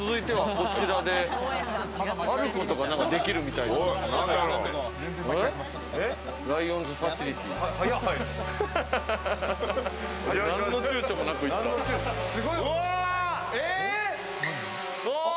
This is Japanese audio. こちらで、あることができるみたいです。